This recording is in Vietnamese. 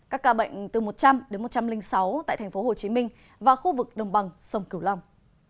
các ca bệnh từ một trăm linh đến một trăm linh sáu tại tp hcm và khu vực đồng bằng sông cửu long